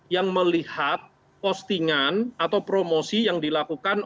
yang melihat postingan atau promosi yang dilakukan